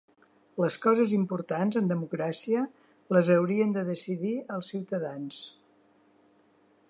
Les coses importants, en democràcia, les haurien de decidir els ciutadans.